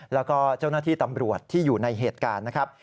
แล้วก็เจ้าหน้าที่ตำรวจที่อยู่ในเหตุการณ์นะครับ